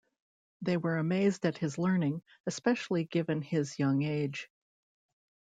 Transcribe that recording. They were amazed at his learning, especially given his young age.